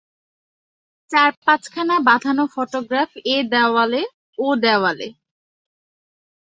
চার-পাঁচখানা বাঁধানো ফটোগ্রাফ এ দেওয়ালে, ও দেওয়ালে।